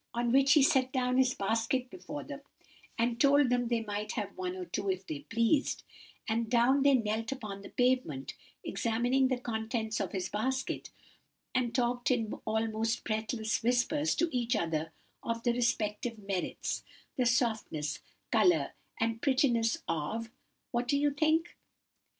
on which he set down his basket before them, and told them they might have one or two if they pleased, and down they knelt upon the pavement, examining the contents of his basket, and talked in almost breathless whispers to each other of the respective merits, the softness, colour, and prettiness, of—what do you think?"